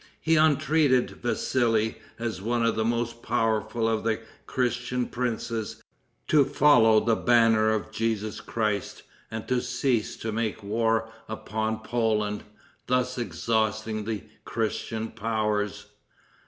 He entreated Vassili, as one of the most powerful of the Christian princes, to follow the banner of Jesus Christ, and to cease to make war upon Poland, thus exhausting the Christian powers.